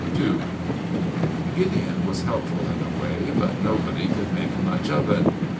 *II* Gideon was helpful in a way, but nobody could make much of it.